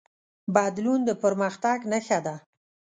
بدلون د پرمختګ نښه ده.